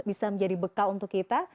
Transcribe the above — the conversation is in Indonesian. bisa menjadi bekal untuk kita